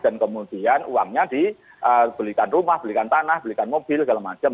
dan kemudian uangnya dibelikan rumah belikan tanah belikan mobil dan sebagainya